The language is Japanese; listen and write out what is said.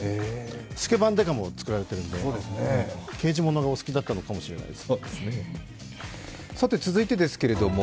「スケバン刑事」もお作りになられていたので刑事物がお好きだったのかもしれないです。